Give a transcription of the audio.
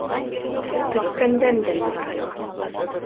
— Көткәндән дә нығыраҡ.